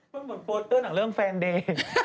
เพิ่งบนโฟนเต้นถึงเรื่องแฟนเดย์